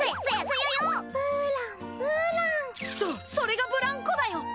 そうそれがブランコだよ。